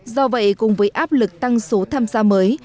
do vậy cùng với áp lực tăng số tham gia mới